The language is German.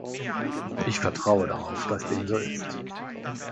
Ich vertraue darauf, dass dem so ist.